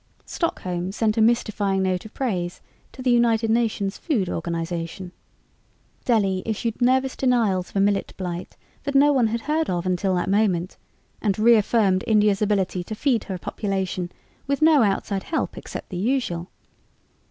Stockholm sent a mystifying note of praise to the United Nations Food Organization. Delhi issued nervous denials of a millet blight that no one had heard of until that moment and reaffirmed India's ability to feed her population with no outside help except the usual.